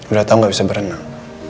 udah tau gak bisa berenang